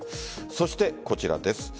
そしてこちらです。